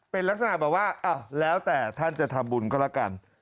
เป็นลักษณะแบบว่าแล้วแต่ท่านจะทำบุญก็แล้วกัน